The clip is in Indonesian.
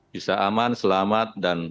bisa aman selamat dan